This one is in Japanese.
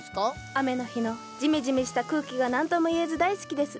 雨の日のジメジメした空気が何とも言えず大好きです。